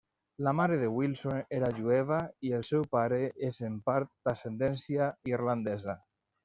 La mare de Wilson era jueva, i el seu pare és en part d'ascendència irlandesa.